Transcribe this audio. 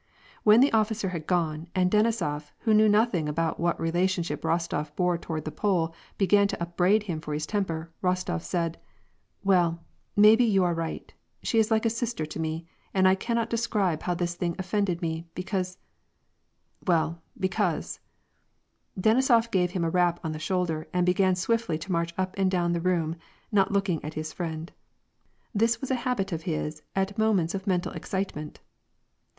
When the officer Imd gone, and Denisof, who knew nothing about what relationsliip Rostof bore toward the Pole, began to upbraid him. for his temper, Rostof said, —" Well, maybe you are right ; she is like a sister to me, and I cannot describe how this thing offended me. Because — well, because "— Denisof gave him a rap on the shoulder and began swiftly to march up and down the room, not looking at his friend. This was a habit of his at moments of mental excitement.